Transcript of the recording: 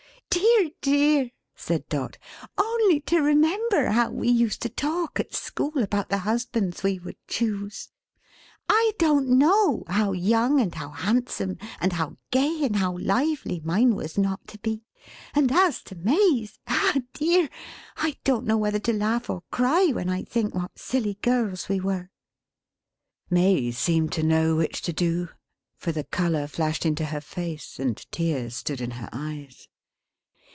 "Dear dear!" said Dot. "Only to remember how we used to talk, at school, about the husbands we would choose. I don't know how young, and how handsome, and how gay, and how lively, mine was not to be! and as to May's! Ah dear! I don't know whether to laugh or cry, when I think what silly girls we were." May seemed to know which to do; for the color flashed into her face, and tears stood in her eyes.